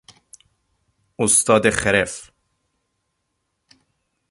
استاد خرف